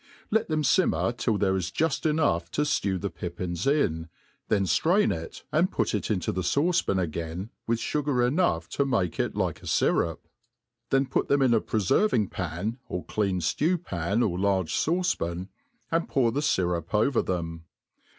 Let them fimmer till there is juft enough to ftew the pippins in, then ftrain it, and put it into the fauce pan again, with (tigar enough to malce it like a fyrup ; then put them in a preferving? pan, or clean ftew pan, or large fauce pan, and pour the fyrup over them.